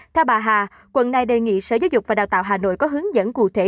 theo bà hà quận này đề nghị sở giáo dục và đào tạo hà nội có hướng dẫn cụ thể